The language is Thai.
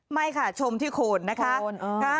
ไม่ค่ะชมที่โคนนะคะ